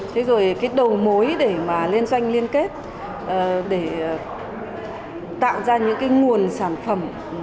thế rồi cái đầu mối để mà liên doanh liên kết để tạo ra những cái nguồn sản phẩm